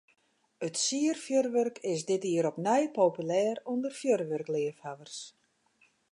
It sierfjurwurk is dit jier opnij populêr ûnder fjurwurkleafhawwers.